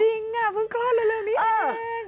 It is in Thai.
จริงอ่ะเพิ่งคลอดเรื่อยนี้แปลก